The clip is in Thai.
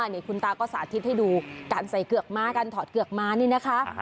นี่คุณตาก็สาธิตให้ดูการใส่เกือกม้าการถอดเกือกม้านี่นะคะ